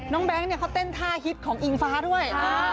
น้องแบงค์เขาเต้นท่าฮิตของอิงฟ้าด้วย